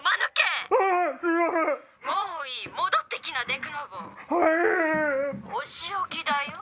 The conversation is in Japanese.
もういい！